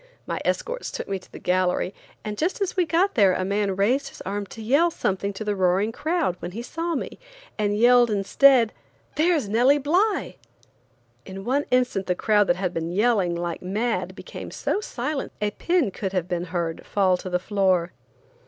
My escorts took me to the gallery, and just as we got there a man raised his arm to yell something to the roaring crowd, when he saw me, and yelled instead: "There's Nellie Bly!" In one instant the crowd that had been yelling like mad became so silent that a pin could have been heard fall to the floor.